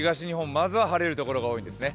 まずは晴れる所が多いですね。